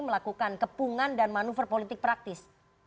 melakukan kepungan dan manuver politik praktis